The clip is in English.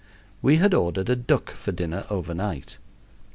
We had ordered a duck for dinner over night.